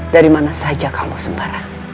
dari mana saja kamu sembarang